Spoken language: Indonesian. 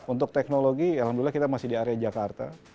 untuk teknologi alhamdulillah kita masih di area jakarta